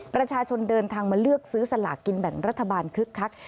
ประชาชนเดินทางมาเลือกซื้อสลากกินแบ่งรัฐบาลคึกคัก